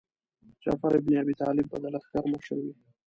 جعفر ابن ابي طالب به د لښکر مشر وي.